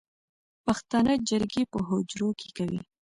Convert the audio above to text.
پښتانه جرګې په حجرو کې کوي